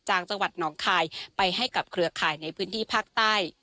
จากจังหวัดหนองคายไปให้กับเครือข่ายในพื้นที่ภาคใต้